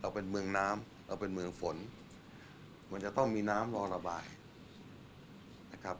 เราเป็นเมืองน้ำเราเป็นเมืองฝนมันจะต้องมีน้ำรอระบายนะครับ